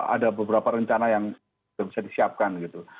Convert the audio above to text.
ada beberapa rencana yang sudah bisa disiapkan